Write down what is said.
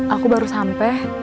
aku baru sampe